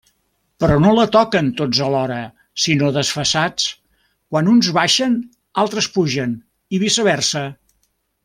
Però no la toquen tots alhora, sinó desfasats: quan uns baixen, altres pugen, i viceversa.